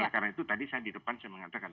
karena itu tadi saya di depan saya mengatakan